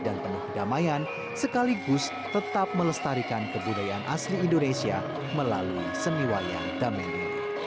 dan penuh damayan sekaligus tetap melestarikan kebudayaan asli indonesia melalui seni wayang damen ini